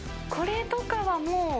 これとかはもう。